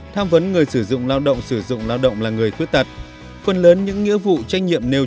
tham vấn người sử dụng lao động sử dụng lao động là người khuyết tật phần lớn những nghĩa vụ trách nhiệm nêu